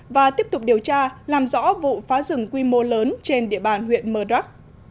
và tiếp tục điều tra làm rõ vụ phá rừng quy mô lớn trên địa bàn huyện mờ rắc